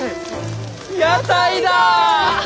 屋台だ！